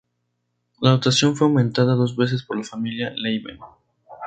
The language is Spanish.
La dotación fue aumentada dos veces por la familia Lieben.